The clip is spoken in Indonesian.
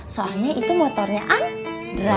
soalnya itu motornya andra